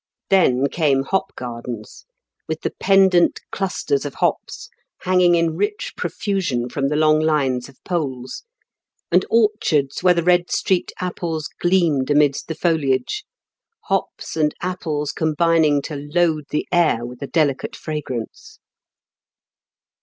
Then came hop gardens, with the pendent clusters of hops hanging in rich profusion from the long lines of poles, and orchards where the red streaked apples gleamed amidst the foliage, hops and apples combining to load the air with a delicate fragrance.